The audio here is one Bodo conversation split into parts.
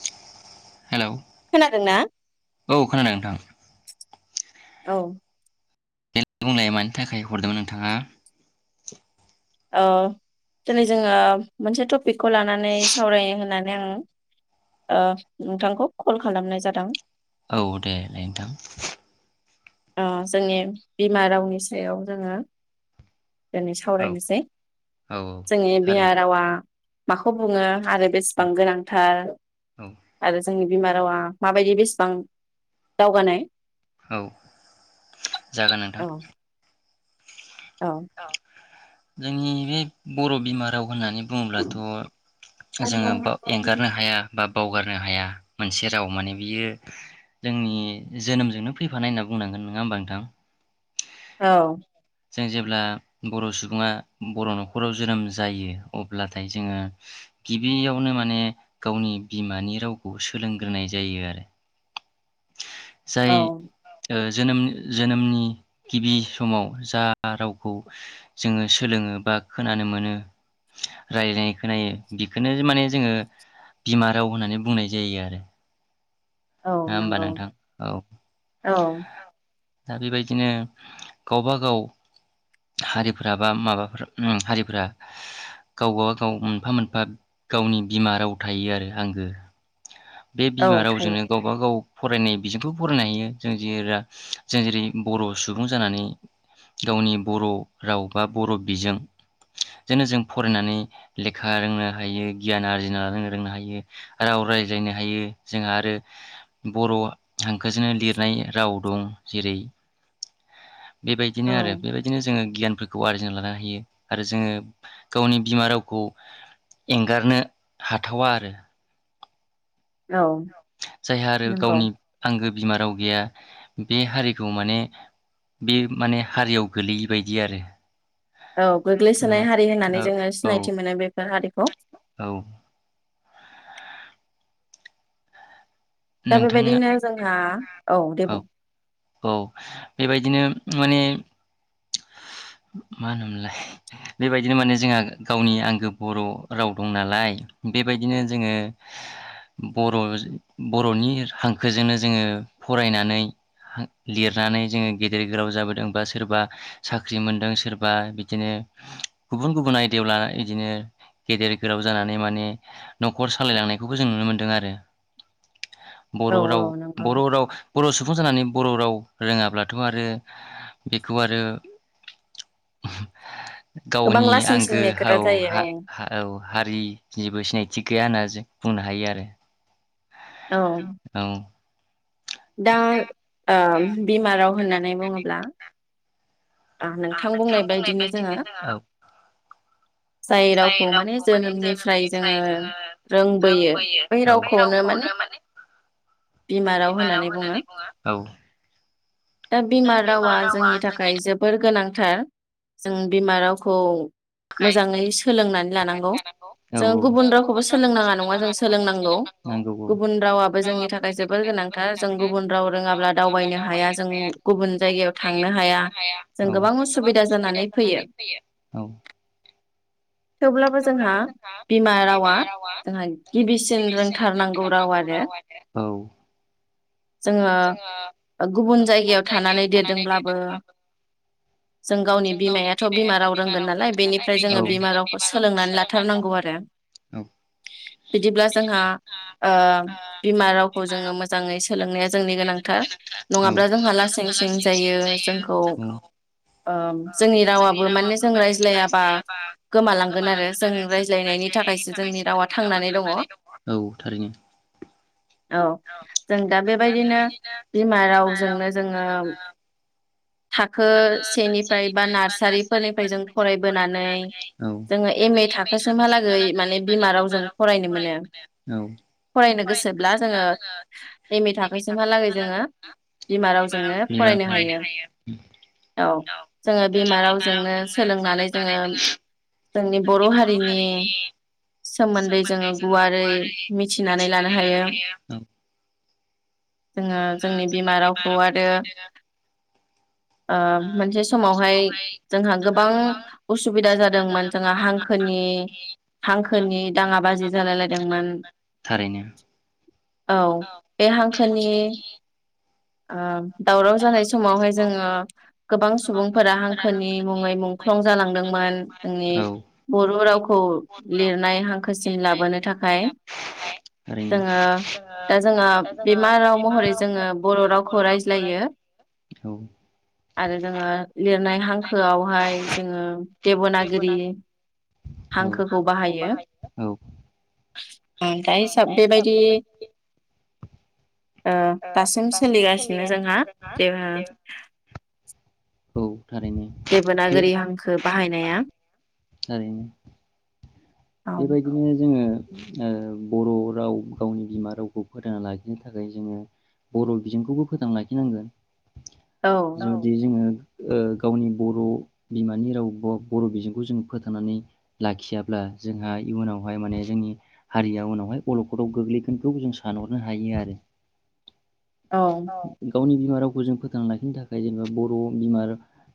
[inaudible] हेलौ खोनादोंना? औ खोनादों नोंथां। औ देलाय बुंलाया मानि थाखाय हरदोंमोन नोंथाङा दिनै जोङो मोनसे ट बेखौ लानानै सावराय होननानै। आं नोंथांखौ कल खालामनाय जादों। औ देै नोंथां ओ जोंनि बिमा रावनि सायाव जोङो। दिनै औ सावरायनोसै। औ औ जोंनि बिह थारैनो रावा माखौ बुङो? आरो बेसेबां गोनांथार औ औ आरो जोंनि बिमा रावा माबायदि बेसेबां दावगानाय। औ जागोन औ नोंथां। औ। जोंनि बे बर' बिमा राव होननानै बुङोब्लाथ' जोङो बा एंगारनो हाया बा बावगारनो हाया मोनसे राव माने बियो जोंनि जोनोमजोंनो फैफानाय ओनना बुंनांगोन नङा ओमबा नोंथां। औ। जों जेब्ला बर' सुबुङा बर' न'खराव जोनोम जायो अब्लाथाय जोङो गिबियावनो माने गावनि बिमानि रावखौ सोलोंग्रोनाय जायो आरो। औ जाय ओ जोनोम जोनोमनि गिबि समाव जा रावखौ जोङो सोलोङो बा खोनानो मोनो रायनाय खोनायो बिखोनो माने जोङो बिमा राव होननानै बुंनाय जायो आरो। औ नङा होमबा नोंगौ नोंथां औ औ। दा बेबायदिनो गावबा गाव हारिफ्रा बा माबाफा हारिफोरा गावबा गाव मोनफा मोनफा गावनि बिमा राव थायो आरो आंगो बे औ बिमा थायो रावजोंनो गावबा गाव फरायनाय बिजोंखौबो फरायनो हायो जों जिरा जों जेरै बर' सुबुं जानानै गावनि बर' राव बा बर' बिजों जोंनो जों फरायनानै लेखा रोंनो हायो गियान आरजिनो रोंनो हायो राव रायज्लायनो हायो जोंहा आरो बर' हांखोजोंनो लिरनाय राव दं। जेरै बेबायदिनो आरो औ बेबायदिनो जोङो गियानफोरख खौ आरजिना लानो हायो आरो जोङो गावनि बिमा रावखौ एंगारनो हाथावा आरो। औ जायहा आरो नंगौ गावनि आंगो बिमा राव गैया बे हारिखौ माने बे माने हारियाव गोलैयि बायदि आरो। औ नोङो गोग्लैसोनाय हारि होननानै जोङो औ सिनायथि मोनो बेफोर हारिखौ औ दा नोंथाङा बेबायदिनो जोंहा औ दे बुं। औ बेबायदिनो माने मा होनोमोनलाय बेबायदिनो माने जोंहा गावनि आंगो बर' राव दं नालाय बेबायदिनो जोङो बर' बर'नि हांखोजोंनो जोङो फरायनानै लिरनानै जोङो गेदेर गोलाव जाबोदों बा सोरबा साख्रि मोनदों सोरबा बिदिनो गुबुन गुबुन आयदायाव लानानै इदिनो गेदेर गोलाव जानानै माने न'खर सालायलांनायखौबो जों नुनो मोनदों आरो। औ बर' औ राव नंगौ बर' राव बर' सुबुं जानानै बर' राव रोङाब्लाथ' आरो बेखौ आरो गोबां गावनि लासिं आंगो सिंनि औ खोथा जायो औ हा-हा-हारिनिबो सिनायथि गैया होनना जों बुंनो हायो आरो। औ। औ दा ओ बिमा राव होननानै बुङोब्ला आ नोंथां बुंनाय बायदिनो जोङो जाय रावखौ माने जोनोमनिफ्राय जोङो रोंबोयो बै जोङो रावखौनो माने बिमा राव होननानै बुङो दा बिमा रावा जोंनि थाखाय जोब गोनांथार जों बिमा रावखौ मोजाङै सोलोंनानै लानांगौ जों गुबुन रावखौबो सोलोंनाङा नङा जों सोलोंनांगौ नांगौ गुबुन औ रावाबो जोंनि थाखाय जोबोर गोनांथार जों गुबुन राव रोङाब्ला दावबायनो हाया जों गुबुन जायगायाव थांनो हाया औ जों गोबां उसुबिदा जानानै फैयो औ। थेवब्लाबो जोंहा बिमा रावा जोंहा गिबिसिन रोंथारनांगौ राव आरो औ जोङो गुबुन जायगायाव थानानै देरदोंब्लाबो जों गावनि बिमायाथ' बिमा राव रोंगोन नालाय बेनिफ्राय जोङो बिमा रावखौ सोलों थाथारनांगौ आरो बिदिब्ला जोंहा ओम बिमा रावखौ जोङो मोजाङै सोलोंनाया जोंनि गोनांथार नङाब्ला जोंहा लासिंसिं जायो जोंखौ नंगौ ओम जोंनि रावाबो माने जों रायज्लायाबा गोमालांगोन आरो जों रायज्लायनायनि थाखायसो जोंनि रावा थांनानै दङ औ। औ थारैनो जों दा बेबायदिनो बिमा रावजोंनो जोङो थाखो सेनिफ्राय बा नार्सारिफोरनिफ्राय जों फरायबोनानै औ जोङो एम ऐ थाखोसिमहालागै माने बिमा रावजों फरायनो मोनो औ फरायनो गोसोब्ला जों जोङो एम ए थाखोसिमहालागै जोङो बिमा रावजोंनो राव फरायनो हायो। औ जोङो बिमा रावजोंनो सोलोंनानै जोङो जोंनि बर' हारिनि सोमोन्दै जोङो गुवारै मिथिनानै लानो हायो। [inaudible] जोङो जोंनि बिमा रावखौ आरो ओ मोनसे समावहाय जोंहा गोबां उसुबिदा जादोंमोन जोंहा हांखोनि हांखोनि दाङा बाजि जालायलायदोंमोन। थारैनो औ बे हांखोनि ओम दावराव जानाय समावहाय जोङो गोबां सुबुंफोरा हांखोनि मुङै मुंख्लं जालांदोंमोन जोंनि औ बर' रावखौ लिरनाय हांखोसिम लाबोनो थाखाय थारैनो जोङो दा जोङो बिमा राव महरै जोङो बर' रावखौ रायज्लाय ज्लायो औ आरो जोङो लिरनाय हांखोआवहाय जोङो देबनागोरि औ हांखोखौ बाहायो औ दा हिसाब बेबायदि ओ दासिम सोलिगासिनो जोंहा बे ओ औ थारैनो देबनागोरि हांखो बाहायनाया थारैनो औ बेबायदिनो जोङो ओ बर' राव गावनि बिमा रावखौ फोथांना लाखिनो थाखाय जोङो बर' बिजोंखौबो फोथांना लाखिनांगोन। औ [unintelligible] ओ गावनि बर' बिमानि राव ब-बर' बिजोंखौ जों फोथांनानै लाखियाब्ला जोंहा इयुनावहाय माने जोंनि हारिया उनावहाय अल'खदाव गोग्लैगोनखौ जों सानहरनो हायो आरो। औ गावनि बि मा रावखौ जों फोथांना लाखिनो थाखाय जोङो बर' बिमार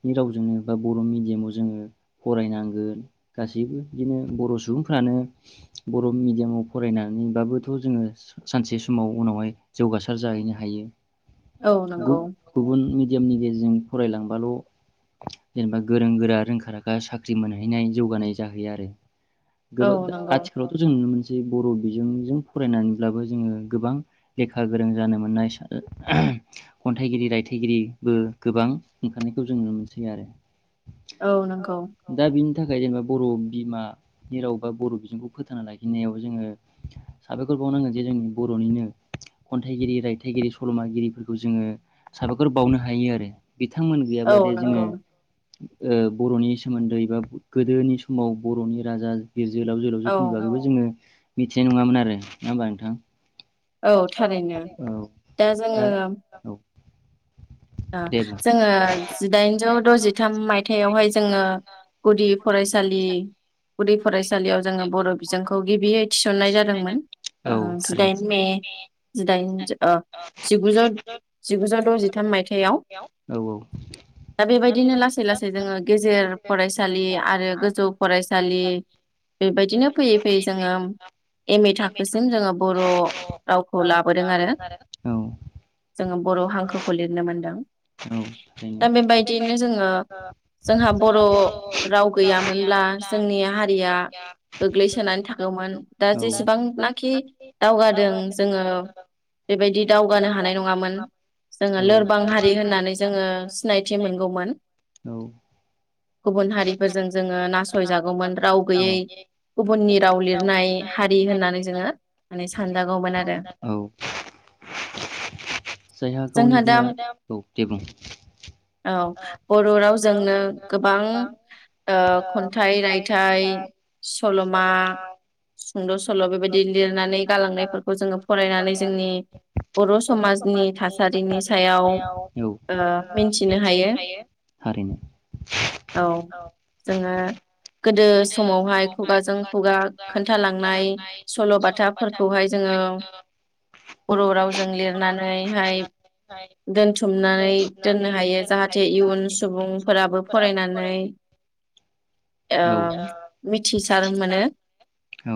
नि रावजों बा बर' मिडियामाव जोङो फरायनांगोन गासैबो बिदिनो बर' सु सुबुंफ्रानो बर' मिडियामाव फरायनानैबाबोथ' जोङो सानसे समाव उनावहाय जौगासार जाहैनो हायो। औ गौ नंगौ गुबुन मि यामनि गेजेरजों फरायलांबाल' जेनेबा गोरों गोरा रोंखा राखा साख्रि मोनहैनाय जौगानाय जाहैया आरो। औ गो-गो नंगौ आथिखालावथ' जों नुनो मोनस सै बर' बिजोंजों फरायनानैब्लाबो जोङो गोबां लेखा गोरों जानो मोननाय खन्थाइगिरि रायथाइगिरि बो गोबां ओंखारनायखौ जों नुनो मोनसै आरो। औ नंगौ दा बिनि थाखाय जेनेबा बर' बिमा नि राव बा बर' बिजोंखौ फोथांना लाखिनायाव जोङो साबायखर बावनांगोन जे जों बर'निनो खन्थाइगिरि रायथाइगिरि सल'मागिरिफोरखौ जोङो साबायखर बावनो हायो आरो। बिथांमोन औ गैयाब्ला दे जोङो नंगौ ओ बर'नि सोमोन्दै बा गोदोनि समाव बर'नि राजा बिर जोहोलाव औ जोहोलावजोफोरनि बागैबो जोङो मिथिनाय नङामोन आरो नङा होमबा नोंथां? औ थारैनो औ दा जोङो औ ओ दे बुं जोङो जिदाइनजौ द'जिथाम मायथाइयावहाय जोङो गुदि फरायसालि गुदि फरायसालियाव जोङो बर' बिजोंखौ गिबियै थिसननाय जादोंमोन औ ओ थारैनो जिदाइन मे जिदाइन ज ओ जिगुजौ जिगुजौ द'जिथाम मायथ याव औ औ दा बेबायदिनो लासै लासै जोङो गेजेर फरायसालि आरो गोजौ फरायसालि बेबायदिनो फैयै फैयै जोङो एम ए थाखोसिम जोङो बर' रावखौ लाबोदों आरो। औ जोङो बर' हांखोखौ लिरनो मोन थारैनो दा बेबायदिनो जोङो जोंहा बर' राव गैयामोनब्ला जोंनि हारिया गोग्लैसोनानै थागोमोन दा औ जेसेबांनाखि दावगादों जोङो बेबायदि दावगानो हानाय नङामोन जोङो लोरब [unintelligible] जोङो सिनायथि मोनगौमोन। मोनगौमोन गुबुन हारिफोरजों जोङो नासयजागौमोन राव गैयै गुबुननि राव लिरनाय हारि होननानै जोङो माने सानजागौमोन आरो, औ जायहा गावनि जोंहा बिमा दाम औ दे बुं औ बर' राव जोंनो गोबा ओ खन्थाइ रायथाइ सल'मा सुंद' सल' बेबायदि लिरनानै गालांनायफोरखौ जोङो फरायनानै जोंनि बर' समाजनि थासारिनि सायाव औ, ओ मिन्थिनो हायो हारिमु औ जोंङो गोदो समावहाय खुगाजों खुगा खोन्थालांनाय सल बाथाफोरखौहाय जोंङो बर रावजों लिरनानैहाय। दोनथुमनानै दोननो हायो जाहाथे इयुन सुबुंफोराबो फरायनान नानै औ ओह मिथिसार मोनो। औ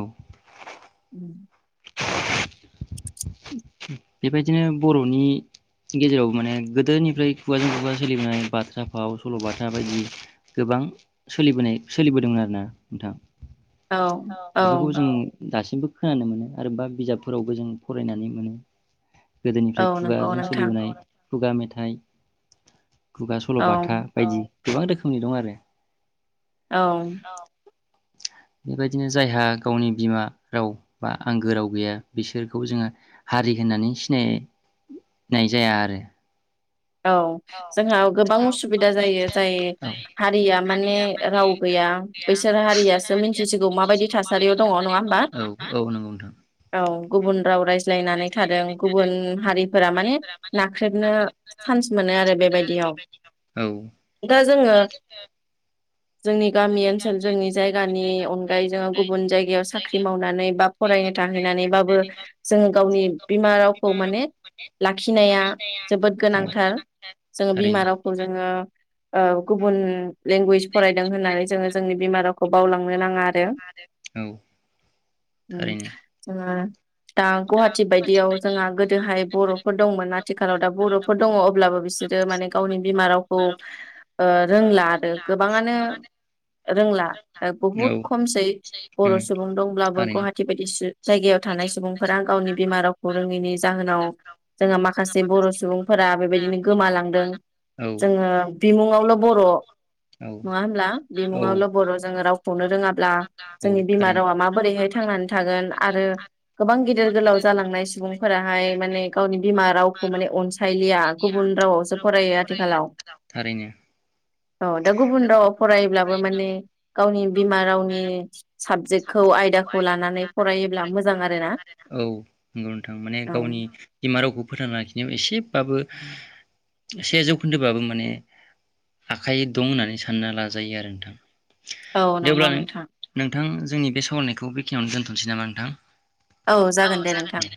बेबायदिनो बरनि गेजेराव माने गोदोनिफ्राय खुगाजों खुगा सोलिबोनाय बाथ्रा फाव सलबाथा बायदि गोबां सोलिबोनाय सोलिबोदोंमोन आरोना नोंथां। औ औ बेफोरखौ जों दासिमबो। खोनानो मोनो। आरोबा बिजाबफोरावबो जों फरायनानै मोनो। गोदोनिफ्राय खुगाजों औ नंगौ नोंथां सोलिबोनाय। खुगा मेथाइ। खुगा सलबाथा औ बायदि। गोबां रोखोमनि दं आरो। औ। बेबायदिनो जायहा गावनि बिमा राव बा आंगो राव गैया बिसोरखौ जोंङो हारि होननानै सिनाय नाय जाया आरो। औ जोंहा गोबां उसुबिदा जायो जाय हारिया माने राव गैया बैसोर हारियासो मिथिसिगौ माबायदि थासारियाव दङ नङा होमबा औ औ नंगौ नोंथां औ। गुबुन राव रायज्लायनानै थादों गुबुन हारिफोरा माने नाख्रेबनो जोङो सान्स मोनो आरो बे बायदिनो दा औ जोङो जोंनि [unintelligible] गामि ओनसोल जोंनि जायगानि अनगायै जोङो गुबुन जायगायाव साख्रि मावनानै बा फरायनो थाहैनानैबाबो जोङो गावनि बिमा रावखौ माने लाखिनाया जोबोद गोनांथार जोंङो बिमा थारैनो रावखौ जोङो ओह गुबुन लेंगुवेज फरायदों होननानै जोङो जोंनि बिमा रावखौ बावलांनो नाङा आरो। औ। उम थारैनो जोंङो दा गुवाहाटि बायदियाव जोंहा गोदोहाय बरफोर दंमोन आथिखालाव दा बरफोर दङ अब्लाबो बिसोरो माने गावनि बिमा रावखौ ओह रोंला आरो गोबाङानो। रोंला बहुद औ खमसै बर उम सुबुं दंब्लाबो थारैनो। गुवाहाटि बायदि सु जायगायाव थानाय सुबुंफोरा गावनि बिमा रावखौ रोङैनि जाहोनाव जोंहा माखासे बर सुबुं फोरा बेबायदिनो गोमालांदों औ जोङो बिमुङावल बर औ नङा होमब्ला औ बिमुं आवल बर जोङो रावखौनो रोङाब्ला औ जोंनि बिमा थारैनो। रावा माबोरैहाय थांनानै थागोन आरो गोबां गिदिर गोलाव जालांनाय सुबुंफोराहाय माने गावनि बिमा रावखौ माने अनसाय थाइलिया गुबुन रावावसो फरायो आथिखालाव। थारैनो। औ दा गुबुन रावाव फरायोब्लाबो माने गाव गावनि बिमा रावनि साबजेक्टखौ आयदाखौ लानानै फरायोब्ला मोजां आरोना औ नंगौ नोंथां माने औ गावनि । बाबो से जौ खोन्दोबाबो माने आखाइ दं होननानै सानना लाजायो आरो नोंथां औ दे नंगौ अब्ला नोंथां नों-नोंथां जोंनि बे सावरायनायखौ बेखिनियाव दोन्थनोसै नामा नोंथां औ जागोन दे नोंथां [inaudible]